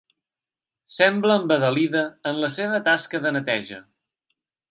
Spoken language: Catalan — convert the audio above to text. Sembla embadalida en la seva tasca de neteja.